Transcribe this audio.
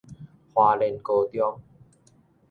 花蓮高中